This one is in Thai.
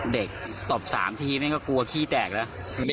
เด็กตบ๓ทีมันก็กลัวขี้แตกแล้ว